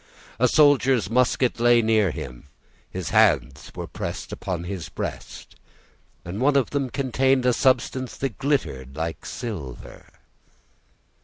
A soldier's musket lay near him; his hands were pressed upon his breast, and one of them contained a substance that glittered like silver.